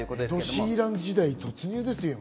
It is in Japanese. エド・シーラン時代突入ですよ。